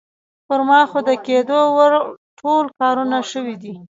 پر ما خو د کېدو وړ ټول کارونه شوي دي.